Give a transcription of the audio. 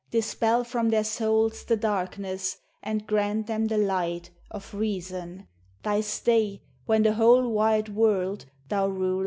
dispel from their souls the darkness, ami grant them the lighl Of reason, thy stay, when the whole wide world thou rules!